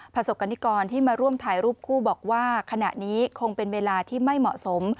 ประสบกรณิกรที่มาร่วมถ่ายรูปคู่บอกว่าขณะนี้คงเป็นเวลาที่ไม่เหมาะสม